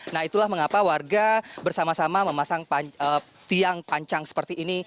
nah itulah mengapa warga bersama sama memasang tiang pancang seperti ini